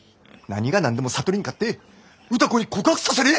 何が何でも智に勝って歌子に告白させれ！